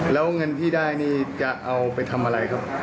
แล้วเงินที่ได้นี่จะเอาไปทำอะไรครับ